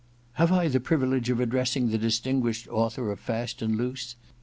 * Have I the privilege of addressing the dis tinguished author of " Fast and Loose